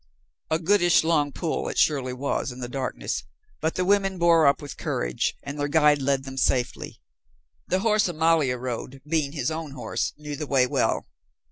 A goodish long pull it surely was, in the darkness, but the women bore up with courage, and their guide led them safely. The horse Amalia rode, being his own horse, knew the way well.